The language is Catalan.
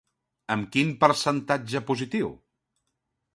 Amb quin percentatge positiu?